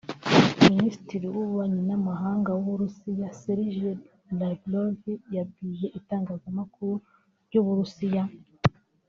Minisitiri w’ ububanyi n’ amahanga w’ Uburusiya Sergei Lavrov yabwiye itangazamakuru ry’Uburusiya